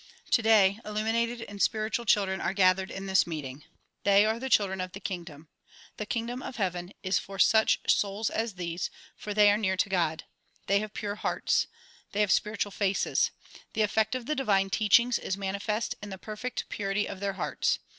Today illumined and spiritual children are gathered in this meeting. They are the children of the kingdom. The kingdom of heaven is for such souls as these, for they are near to God. They have pure hearts. They have spiritual faces. The effect of the divine teachings is manifest in the perfect purity of their hearts.